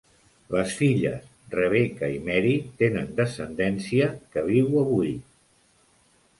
Les filles Rebecca i Mary tenen descendència que viu avui.